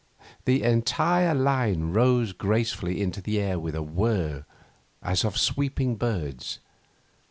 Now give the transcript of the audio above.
The entire line rose gracefully into the air with a whirr as of sweeping birds.